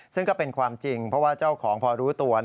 ซึ่งก็เป็นความจริงเพราะว่าเจ้าของพอรู้ตัว